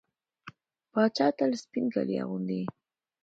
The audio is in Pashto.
پاچا تل سپين کالي اغوندي .